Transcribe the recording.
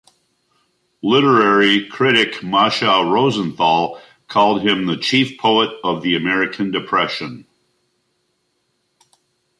Literary critic Macha Rosenthal called him the chief poet of the American Depression.